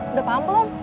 udah paham belum